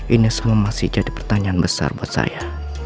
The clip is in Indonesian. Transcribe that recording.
ini masih menjadi pertanyaan besar buat saya